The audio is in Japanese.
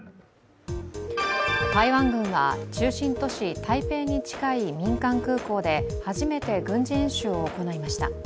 台湾軍は中心都市・台北に近い民間空港で初めて軍事演習を行いました。